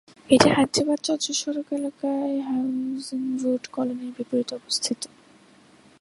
এটি হায়দরাবাদ রাজ্য সড়ক এলাকার হাউজিং বোর্ড কলোনির বিপরীতে অবস্থিত।